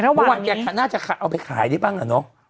เมื่อวานแกน่าจะเอาไปขายนี่บ้างหรือเปล่า